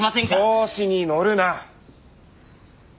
調子に乗るな！